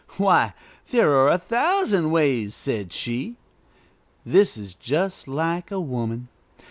"Why, there are a thousand ways," said she. This is just like a woman.